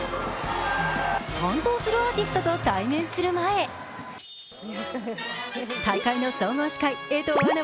担当するアーティストと対面する前、大会の総合司会、江藤アナ